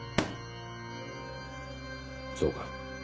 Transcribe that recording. そうか。